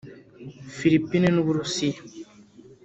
Philippines n’u Burusiya